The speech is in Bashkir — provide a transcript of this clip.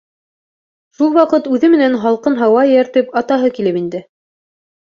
Шул ваҡыт, үҙе менән һалҡын һауа эйәртеп, атаһы килеп инде.